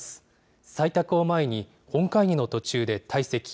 採択を前に、本会議の途中で退席。